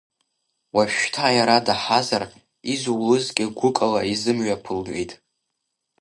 Уажәшьҭа иара даҳазар, изылузгьы гәыкала изымҩаԥылгеит.